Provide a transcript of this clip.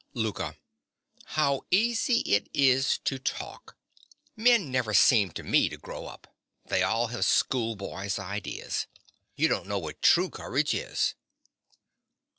LOUKA. How easy it is to talk! Men never seem to me to grow up: they all have schoolboy's ideas. You don't know what true courage is.